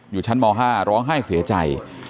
อยู่ชั้นม๕ร้องไห้เสียใจ